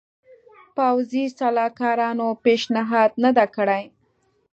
پوځي سلاکارانو پېشنهاد نه دی کړی.